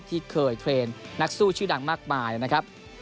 ที่เคยเทรนด์นักสู้ชื่อดังมากมายนะครับ